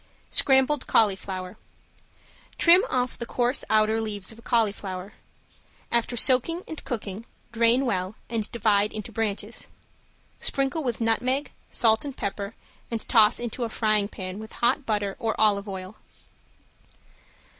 ~SCRAMBLED CAULIFLOWER~ Trim off the coarse outer leaves of a cauliflower. After soaking and cooking, drain well and divide into branches. Sprinkle with nutmeg, salt and pepper and toss into a frying pan with hot butter or olive oil.